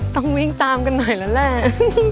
ต้องวิ่งตามกันหน่อยแล้วแหละ